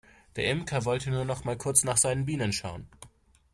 Der Imker wollte nur noch mal kurz nach seinen Bienen schauen.